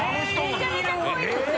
めちゃめちゃ濃いですね。